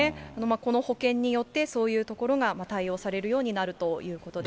この保険によって、そういうところが対応されるようになるということです。